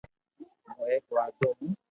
ھون ايڪ واڌو ھون